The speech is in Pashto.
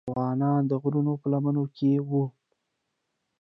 افغانان د غرونو په لمنو کې وو.